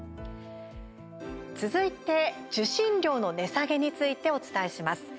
続いて、受信料の値下げについてお伝えします。